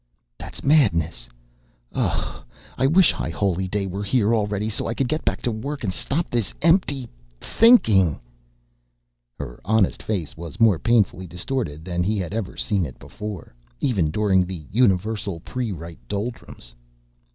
"That's madness! Oh, I wish High Holy Day were here already so I could get back to work and stop this empty thinking!" Her honest face was more painfully distorted than he had ever seen it before, even during the universal pre Rite doldrums.